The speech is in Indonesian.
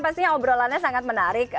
pastinya obrolannya sangat menarik